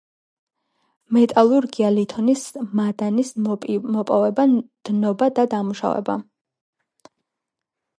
მეტალურგია - ლითონის მადნის მოპივება, დნობა და დამუშავება